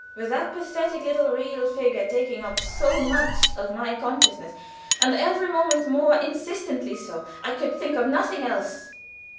With that pathetic little real figure taking up so much of my consciousness, and every moment more insistently so, I could think of nothing else.